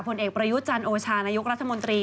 ผลเอกประยุทธ์จันโอชานายกรัฐมนตรี